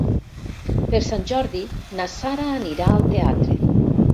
Per Sant Jordi na Sara anirà al teatre.